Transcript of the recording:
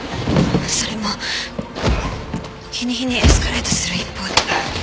それも日に日にエスカレートする一方で。